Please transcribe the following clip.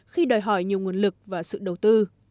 khi đòi hỏi nhiều nguồn lực và sự đầu tư